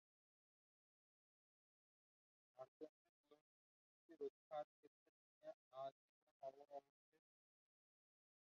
অসমের লোক-সংস্কৃতি রক্ষার ক্ষেত্রে তিনি আজীবন অশেষ চেষ্টা করেছেন।